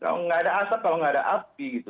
kalau nggak ada asap kalau nggak ada api gitu